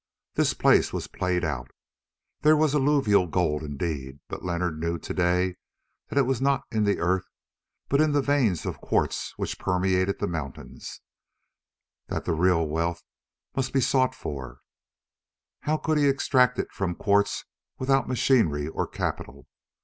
This place was played out. There was alluvial gold indeed, but Leonard knew to day that it was not in the earth, but in the veins of quartz which permeated the mountains, that the real wealth must be sought for, and how could he extract it from the quartz without machinery or capital?